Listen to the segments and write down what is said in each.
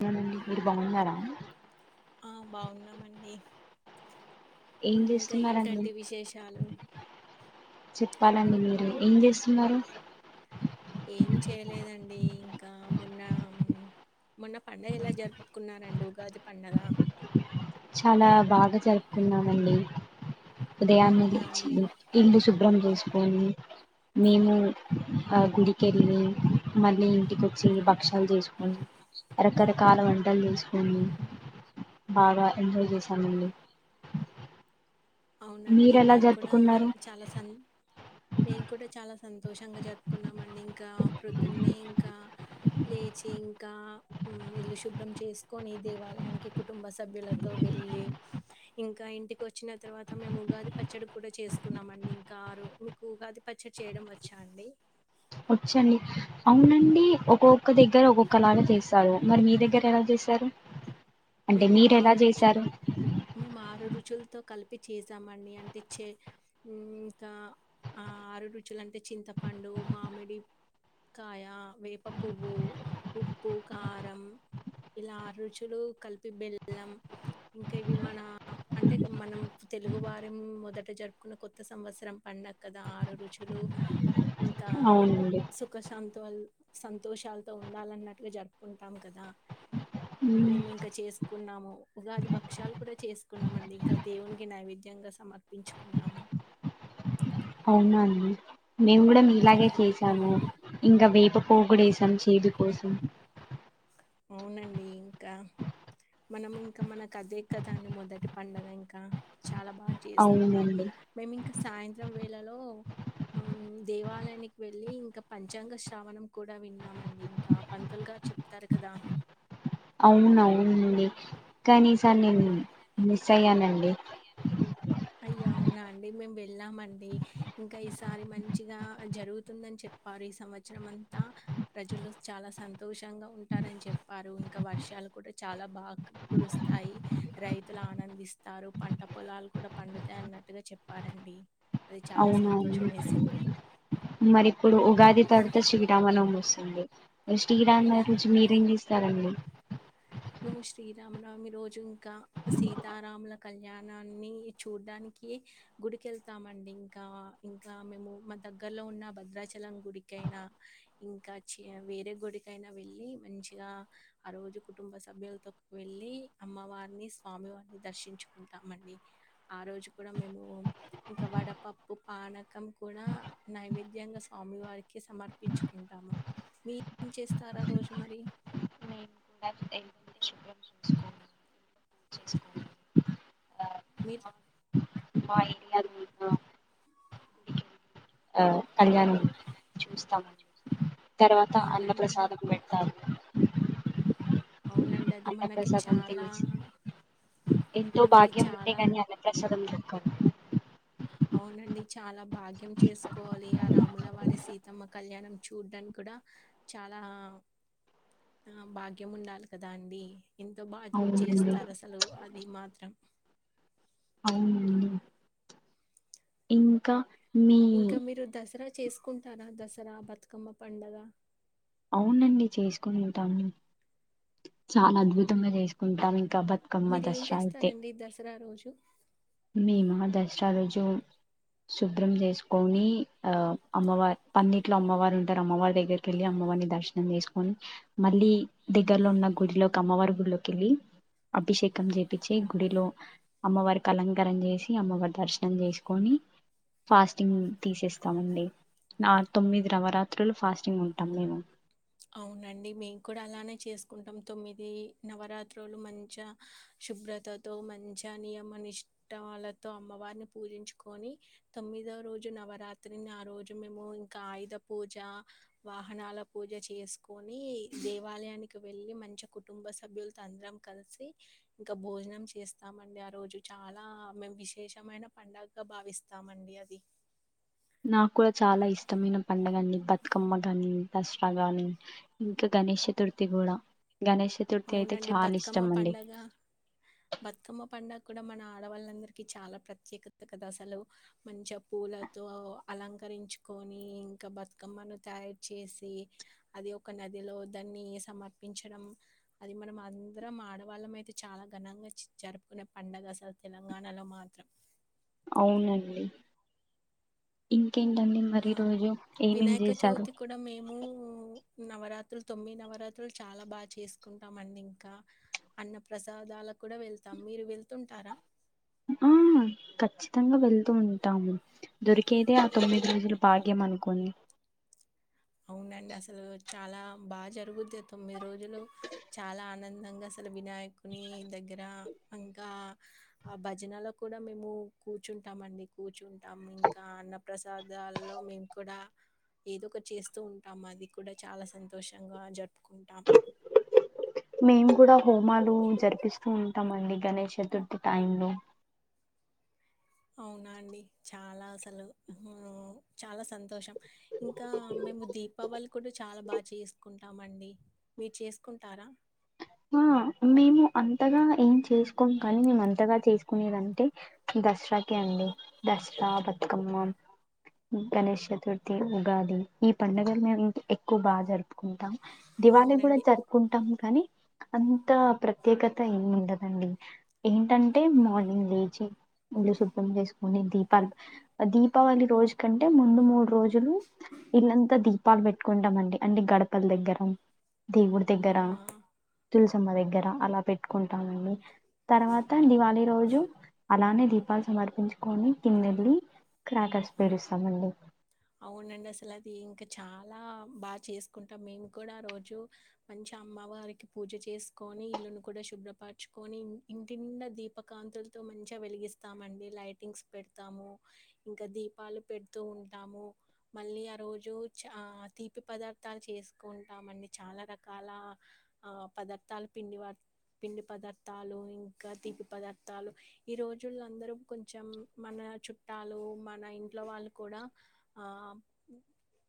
అవునండి మీరు బాగున్నారా ఆ బాగున్నామండి ఏం ఇంకా చేస్తున్నారండి ఏంటంటి విశేషాలు చిప్పాలండి మీరు ఏం జేస్సున్నారు. ఏం చేయలేదండి ఇంకా మొన్న, మొన్న పండగ ఎలా జరుపుకున్నారండి ఉగాది పండగ. చాలా బాగా జరుపుకున్నామండి. ఉదయాన్నె అవునా లేచ్చి అండి? ఇల్లు శుభ్రం జేసుకొని. మేము ఆ గుడికెన్ని మర్నీ ఇంటికొచ్చి భక్షాలు జేసుకొని రకరకాల వంటలు చేసుకొని బాగా ఎంజాయ్ చేసామండి. అవునండి మేం కూడా చాలా సన్, మేం కూడా చాలా సంతోషంగా జరుపుకున్నామండి ఇంకా ప్రొద్దున్నే ఇంకా, లేచి ఇంకా మ్ ఇల్లు శుభ్రం చేస్కొని దేవాలయానికి కుటుంబ సభ్యులతో వెళ్ళి, ఇంకా ఇంటికొచ్చిన తర్వా త మేము ఉగాది పచ్చడి కూడా చేసుకున్నామండి ఇంకా ఆరు మీకు ఉగాది పచ్చడి చేయడం వచ్చా అండి. వచ్చండి అవునండి ఒక్కొక్క దగ్గర ఒక్కొక్కలాగ చేస్సారు. మరి మీ దగ్గర ఎలా చేస్ తరు మేము ఆరు రుచుల్ని, మేము ఆరు రుచుల్ తొ కలిపి చేసామండి అంటేచ్చె హుం కా ఆరు రుచులంటే చింతపండు, మామిడి కాయ, వేప పువ్వు, ఉప్పు, కారం ఇల్లారుచులు కల్ పి బెల్లం ఇంకఇవి మన అంటే మనం తెలుగువారిం మొదట జరుపుకున్న కొత్త సంవస్రం పండక్కదా ఆరు రుచులు ఇంకా అవునండి సుఖశాం తువల్ సంతోషాల్తో ఉండాలన్నట్లుగ జరుపుకుంటాం కదా, ఉమ్. మేము ఇంకా చేస్ కున్నాము ఉగాది భక్షాలు కూడా చేసుకున్నామండి ఇంక దేవున్కి నైవేద్యంగా సమర్పించుకున్నాము. ఉన్నా న్ మేము కూడా మీలాగే చేసాము. ఇంకా వేప పోగుడేసం చీదు కోసం. అవునండి ఇంకా, మనం ఇంకా మనకదే కదండి మొదటి పండగ ఇంకా చాలా బా చేస్కున్నాం అవునండి మేమింక సాయంత్రం వె ఇల్లలో ఆమ్ దేవాలయనికి వెళ్ళి ఇంకా పంచాంగ శ్రావణం కూడా విన్నామండి, ఇంకా పంతులు గారు చెప్తారు. కదా ఔన్ నౌన్ డి కానీ సర్ నిన్ మిస్సయ్యనన్ రి అయ్యో అవునా అండి మేమ్ వెళ్ళామండి. ఇంకా ఈసారి మంచిగా జరువుతుందని చెప్పారి ఈ సంవచ్చ్రం అంతా ప్రజలు చాలా సంతోషంగా ఉంటారని చెప్పారు, ఇంకా వర్షాలు కూడా చాలా బాగా కురుస్తాయి, రైతుల ఆనందిస్తారు పంట పొలాలు కూడా పండుత అన్నట్టుగా చెప్పారండి. అది చాలా అవునా, సంతోషమేసింది. మరి ఇప్పుడు ఉగాది తర్వత శ్రీరామనవమి వస్సుంది. ఎస్టిరామ [unintelligible] సరండి. మేము శ్రీరామనవమి రోజు ఇంకా సీతారాముల కళ్యాణాన్ని చూడ్డానికి గుడికెళ్తామండి ఇంకా, ఇంకా మేము మా దగ్గర్లో ఉన్న భద్రాచలం గుడికైనా ఇంకా చి వేరే గుడికైనా వెళ్ళి మంచిగా ఆ రోజు క్ కుటుంబ సభ్యుల్తోక్ వెళ్ళి అమ్మవార్ని, స్వామివార్ని దర్శించుకుంటా మండి, ఆ రోజు కూడా మేము ఇంకా వడపప్పు, పానకం కూడా నైవేద్యంగా స్వామివారికి సమర్పించుకుంటాము, మీ ఏం చేస్తారు ఆ రోజు మరి మేము కూడా ఇల్లంతా శుభ్రం చేసుకొని ఇంట్లో పూజ చేసుకొని మీర్ ఆ మా ఇంగల్ ఆ కళ్యానం చూస్తామం తర్వాత అన్న అవునండి ప్రసాదం పెడతారు అవునండి అది అన్న మనకి ప్రసాదం చాలా తెలిసి ఎంతో మనకి భాగ్యం ఉంటే చాలా గాని అన్న ప్రసాదం దొరకదు అవునండి చాలా భాగ్యం చేసుకోవాలి ఆ రాముల వారి సీతమ్మ కళ్యాణం చూడ్డానికి కూడా చాలా ఆ భాగ్యం ఉండాలి కదా అండి. ఎంత బా అవునండి చేస్తారు అసలు ఆ ది మాత్రం అవునండి ఇంకా మీ ఇంక మీరు దసరా చేసుకుంటారా దసరా బతుకమ్మ పండగ అవునండి చేసుకుని ఉంటాము చాలా అద్భుతంగా చేసుకుంటాం కి బతుకమ్మ మీరు ఏం దసరా అయితే చేస్తారండి దసరా రోజు మేమా దసరా రోజు శుభ్రం చేసుకొని ఆ అమ్మవారి పందిట్లో అమ్మవారు ఉంటారు అమ్మవారి దగ్గరకి వెళ్ళి అమ్మవారిని దర్శనం చేసుకొని మళ్ళీ దగ్ దగ్గరలో ఉన్న గుడిలోకి అమ్మవారి గుడిలోకి వెళ్ళి అభిషేకం చేపించి గుడిలో అమ్మవారికి అలంకారం చేసి అమ్మవారి దర్శనం చేసుకోని ఫాస్టింగ్ తీసేస్తామండి న తొమ్మిది నవరాత్రులు ఫాస్టింగ్ ఉంటాం మేము అవునండి మేము కూడా అలానే చేసుకుంటం. తొమ్మిది నవరాత్రులు మంచ శుభ్రతతో మంచ నియమ నిష్టాలతో అమ్మవారిని పూజించుకొని తొమ్మిదవ రోజు నవరాత్రిని ఆ రోజు మేము ఇంకా ఆయుధ పూజ వాహనాల పూజ చే చేసుకొని దేవాలయానికి వెళ్ళి మంచి కుటుంబ సభ్యులతో అందరం కలిసి ఇంక భోజనం చేస్తామండి ఆ రోజు చాలా మేము విశేషమైన పండగగా భావిస్తామండి అది నాకు కూడా చాలా ఇష్టమైన పండుగ అండి బతుకమ్మ గాని దసరా గాని ఇంకా గణేష్ చతుర్థి కూడా గణేష్ చతుర్థి అయితే అవునండి చాలా బతుకమ్మ ఇష్టం అండి పంండగ బతుకమ్మ పండగ కూడా మన ఆడవాళ్ళందరికి చాలా ప్రత్యేకత కదా అసలు మంచిగా పూలతో అలంకరించుకొని ఇంకా బతుకమ్మను తయారు చేసి అది ఒక నదిలో దాన్ని సమర్పించడం అది మనం అందరం ఆడవాళ్ళం అయితే చాలా ఘనంగా చి జరుపుకునే పండుగ అసలు తెలంగాణలో మాత్రం అవునండి ఇం కేంటండి ఆ! మరి ఈరోజు ఏమేం వినాయక చేశారు? చవితి కూడా మేము నవరాత్రులు తొమ్మిది నవరాత్రులు చాలా బా చేసుకుంటామండి ఇంకా అన్న ప్రసాదాలకు కూడా వెళ్తాం మీరు వెళ్తుంటారా ఆ ఖచ్చితంగా వెళ్తూ ఉంటాము దొరికేదే ఆ తొమ్మిది రోజులు భాగ్యం అనుకోని అవునండి అసలు చాలా బా జరుగుద్ది తొమ్మిది రోజులు చాలా ఆనందంగా అసలు వినాయకుని దగ్గర ఇంకా ఆ భజనలో కూడా మేము కూర్చుంటాం అండి కూర్చుంటాం ఇంకా అన్న ప్రసాదాల్లో మేము కూడా ఏదో ఒక చేస్ తూఉంటాము. అది కూడా చాలా సంతోషంగా జరుపు మేము కూడా హోమాలు జరిపిస్తూ ఉంటామండి గణేష్ చతుర్థి టైం లో అవునా అండి చాలా అసలు హ్మ్ చాలా సంతోషం ఇంకా మేము దీపావళి కూడా చాలా బా చేసుకుం టామండి మీరు చేసుకుంటారా ఆ మేము అంతగా ఏం చేసుకోము కానీ మేము అంతగా చేసుకునేదంటే దసరాకి అండి దస్ ఆ బతుకమ్మ గణేష్ చతుర్థి ఉగాది ఈ పండగలు మేము ఎక్కువ బా జరుపుకుంటాం. దివాళి కూడా అవునండి. జరుపుకుంటాము కానీ అంత ప్రత్యేకత ఏమి ఉండదండి ఏంటంటే మార్నింగ్ లేచి ఇల్లు శుభ్రం చేసుకుని దీపాలు దీపావళి రోజు కంటే ముందు మూడు రోజు జులు ఇల్లంతా దీ దీపాలు పెట్టుకుంటామండి అన్ని గడపల దగ్గర దేవుడి దగ్గర ఆ! తులసమ్మ దగ్గర అలా పెట్టుకుంటామండి తర్వాత దివాళి రోజు అలానే దీపాలు సమర్పించుకొని కిందెళ్ళి క్రాకర్స్ పేరుస్తామండి అవునండి అసలు అది ఇంకా చాలా బాగా చేసుకుంటాం. మేము కూడా రోజు మంచి అమ్మవారికి పూజ చేసుకొని, ఇల్లును కూడా శుభ్రపరచుకొని, ఇంటినిండా దీపకాంతులతో మంచిగా వెలిగిస్తామండి. లైటింగ్స్ పెడతాము ఇంకా దీపాలు పెడుతూ ఉంటాము. మళ్ళీ ఆ రోజు చ తీపి పదార్థాలు చేసుకుంటామండి చాలా రకాల ఆ పదార్థాలు పిండి పిండి పదార్థాలు ఇంకా తీపి పదార్థాలు ఈ రోజులో అందరూ కొంచెం మన చుట్టాలు మన ఇంట్లో వాళ్ళు కూడా ఆ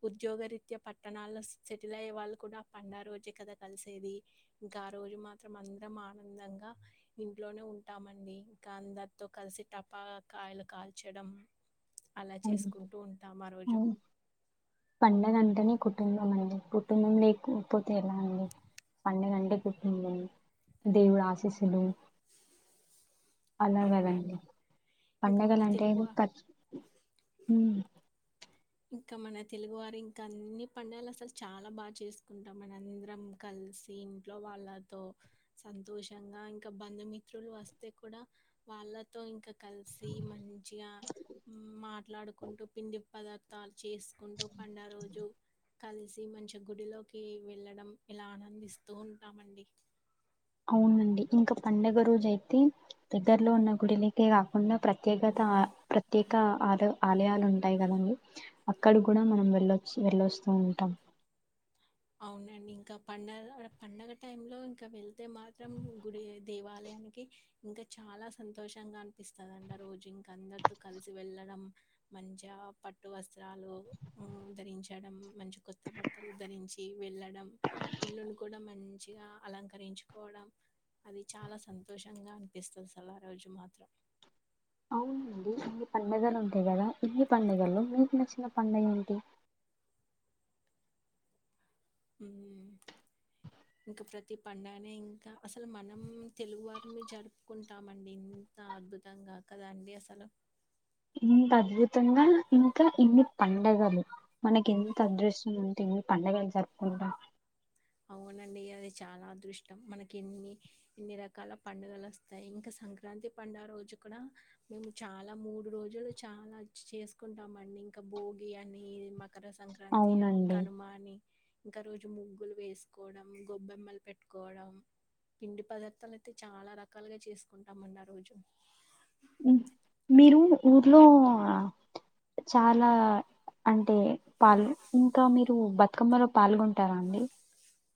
ఉద్యోగ రీత్యా పట్టణాల్లో సెటిల్ అయ్యే వాళ్ళు కూడా పండగ రోజే కదా కలిసేది. ఇంకా ఆ రోజు మాత్రం అందరం ఆనందంగా ఇంట్లోనే ఉంటామండి. ఇంకా అందరితో కలిసి టపాకాయలు కాల్చడం అలా అవును చేసుకుంటూ ఉం అవును పండగ వెంటనే కుటుంబం అండి కుటుంబం లేకపోతే ఎలా అండి పండగ అంటే కుటుంబం దేవుడు ఆశీస్సులు అలాగదండి అవునండి ఇంకా పండుగలు మన అంటే తెలుగు ఏంది ఖర్చు హ ఇంకా మన తెలుగువారి ఇంకా అన్ని పండుగలు అసలు చాలా బాగా చేసుకుంటాం మన అందరం కలిసి ఇంట్లో వాళ్ళతో సంతోషంగా ఇంకా బంధుమిత్రులు వస్తే కూడా వాళ్ళతో ఇంకా కలిసి మంచిగా మాట్లాడుకుంటూ పిండి పదార్దాలు చేసుకుంటూ పండగ రోజు కలిసి మంచి గుడిలోకి వెళ్ళడం ఇలా ఆనందిస్తూ ఉంటామండి అవునండి ఇంకా పండుగ రోజు అయితే దగ్గరలో ఉన్న గుడిలకే కాకుండా ప్రత్యేకత ప్రత్యేక ఆల ఆలయాలు ఉంటాయి కదండి అక్కడ కూడా మనం వెళ్ళొచ్చ వెళ్ళొస్తూ ఉంటాం అవునండి ఇంకా పండగ పండగ టైం లో ఇంకా వెళ్తే మాత్రం గుడి దేవాలయానికి ఇంకా చాలా సంతోషంగా అనిపిస్తదండి. ఆ రోజు ఇంకా అందరితో కలిసి వెళ్ళడం, మంచిగా పట్టు వస్త్రాలు ధరించడం, మంచి కొత్త బట్టలు ధరించి వెళ్ళడం ఇల్లును కూడా మంచిగా అలంకరించుకోవడం అది చాలా సంతోషంగా అనిపిస్తది అసలు ఆ రోజు మాత్రం అవునండి ఇన్ని పండుగలు ఉంటాయి కదా ఇన్ని పండుగల్లో మీకు నచ్చిన పండుగ ఏంటి ఇంకా ప్రతి పండుగనే ఇంకా అసలు మనం తెలుగువారిమి జరుపుకుంటామండి ఇంత అద్భుతంగా కదండి అసలు ఇంత అద్భుతంగా ఇంకా ఇన్ని పండగలు మనకి ఎంత అదృష్టం ఉంటే ఇన్ని పండగలు జరుపుకుంటాం అవునండి అది చాలా అదృష్టం మనకి ఎన్ని ఇన్ని రకాల పండుగలు వస్తాయి. ఇంకా సంక్రాంతి పండుగ రోజు కూడా మేము చాలా మూడు రోజులు చాలా చేసుకుంటామండి ఇంకా భోగి అని మకర సంక్రాంతి అని అవునండి కనుమ అని ఇంక ఆ రోజు ము ముగ్గులు వేసుకోవడం గొబ్బెమ్మలు పెట్టుకోవడం పిండి పదార్థాలు అయితే చాలా రకాలుగా చేసుకుంటామండి ఆ రోజు మీరు ఊర్లో చాలా అంటే పాలు ఇంకా మీరు బతుకమ్మలో పాల్గొంటారా అండి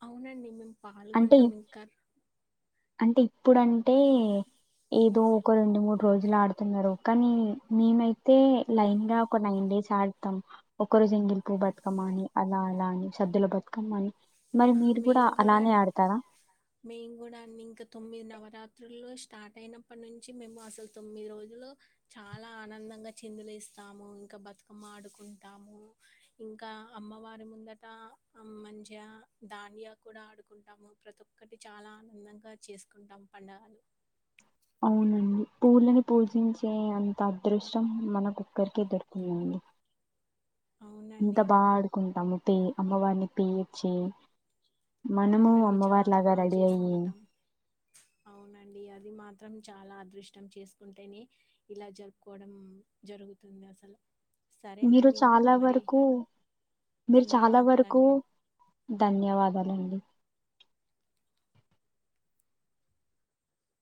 అవునండి మే అంటే పాల్గొంటాం ఇంక అంటే ఇప్పుడుంటే ఏదో ఒక రెండు మూడు రోజులు ఆడుతున్నారు కానీ మేమైతే లైన్ గా ఒక నైన్ డేస్ ఆడతాం ఒకరోజ ఎంగిలి పువ్ బతకమ్మా అని అలా అలా అని సద్దుల బతకమ్మ అని మరి ఆ, మీరు కూడా మేము అలానే ఆడతారా మేము కూడా అన్ని ఇంకా తొమ్మిది నవరాత్రుల్లో స్టార్ట్ అయినప్పటి నుంచి మేము అసలు తొమ్మిది రోజులు చాలా ఆనందంగా చిందులు ఏస్తాము ఇంకా బతుకమ్మ ఆడుకుంటాము ఇంకా అమ్మవారి ముందట మంచిగా దాండియా కూడా ఆడుకుంటాము ప్రతి ఒక్కటి చాలా ఆనందంగా చేసుకుంటాము పండుగలు అవునండి పూలని పూజించే అంత అదృష్టం మన ఓక్కరికే దక్కిందండి అంత అవునండి బాగ ఆడుకుంటాము అమ్మ వాారిని పయచ్చి మనము అవునండి చాలా అమ్మవార్లాగా బాగా రెడీ అయ్యి చేసుకుంటాం అవునండి అది మాత్రం చాలా అదృష్టం చేసుకుంటేనే ఇలా జరుపుకోవడం జరుగుతుంది అసలు మీరు సరేనండి ఇంకా చాలా మరి వరకు మీరు చాలా వరకు ధన్యవాదాలండి ధన్ ధన్యవాదాలండి